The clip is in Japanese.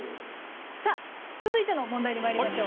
さあ続いての問題にまいりましょう。